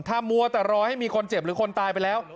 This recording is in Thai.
ถ้ามัวแต่รอให้มีคนเจ็บหรือคนตายไปแล้ว